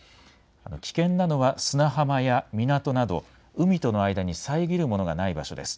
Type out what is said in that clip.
危険なのは砂浜や港など海との間に遮るものがない場所です。